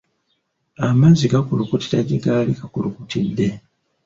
Amazzi gakulukutira gye gaali gakulukutidde.